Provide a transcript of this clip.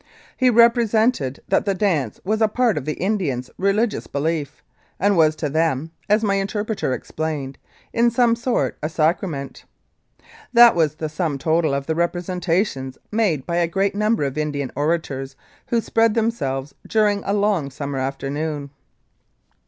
He represented that the dance was a part of the Indians' religious belief, and was to them (as my interpreter explained it) in some sort a sacrament. That was the sum total of the representa tions made by a great number of Indian orators who "spread themselves" during a long summer afternoon.